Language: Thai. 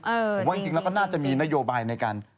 ผมว่าจริงแล้วก็น่าจะมีนโยบายในการ